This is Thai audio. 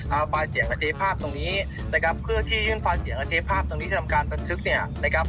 เอาปลายเสียงมาเทภาพตรงนี้นะครับเพื่อที่ยื่นฟังเสียงอาเทภาพตรงนี้ที่ทำการบันทึกเนี่ยนะครับ